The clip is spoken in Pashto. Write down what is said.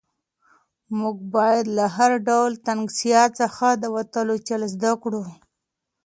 موږ باید له هر ډول تنګسیا څخه د وتلو چل زده کړو.